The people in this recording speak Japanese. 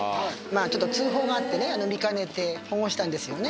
ちょっと通報があってね、見かねて保護したんですよね。